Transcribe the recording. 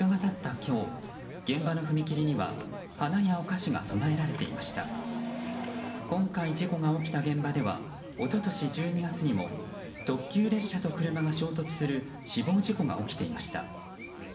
今回、事故が起きた現場では一昨年１２月にも特急列車と車が衝突する死亡事故が起きていました。